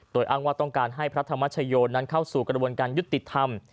โดยอ้างว่าต้องการให้พระธรรมชโยนั้นเข้าสู่กระบวนการยุติธรรม